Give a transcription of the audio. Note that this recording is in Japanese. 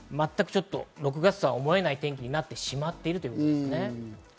６月とは思えない天気になってしまっているということです。